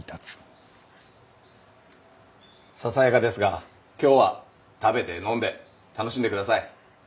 ささやかですが今日は食べて飲んで楽しんでください。